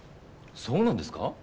そうなんですか？